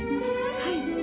はい。